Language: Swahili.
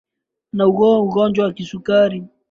Anaugua ugonjwa wa kisukari